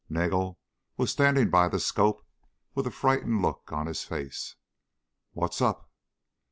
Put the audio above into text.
Nagel was standing by the scope, a frightened look on his face. "What's up?"